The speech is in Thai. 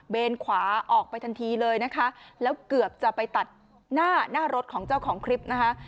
ขวาออกไปทันทีเลยนะคะแล้วเกือบจะไปตัดหน้าหน้ารถของเจ้าของคลิปนะคะ